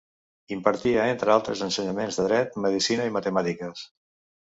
Impartia, entre altres, ensenyaments de dret, medicina i matemàtiques.